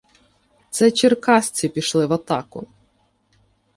Це черкасці пішли в атаку.